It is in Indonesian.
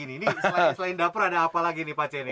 ini selain dapur ada apa lagi nih pak ceni